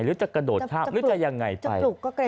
หรือจะกระโดดข้ามหรือจะยังไงไป